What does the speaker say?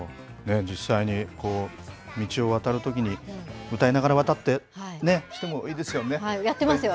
実際に道を渡るときに、歌いながら渡ってね、やってますよ、私。